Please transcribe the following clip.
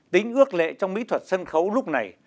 tính ước lệ trong mỹ thuật sân khấu lúc này